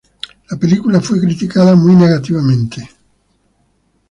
La película fue criticada muy negativamente.